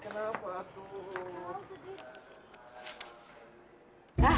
kamu tuh kenapa tuh